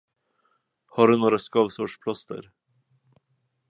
Har du några skavsårplåster?